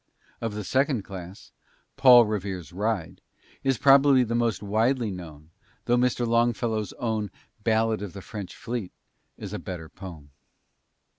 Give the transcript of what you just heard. Of the second class, "Paul Revere's Ride" is probably the most widely known, though Mr. Longfellow's own "Ballad of the French Fleet" is a better poem.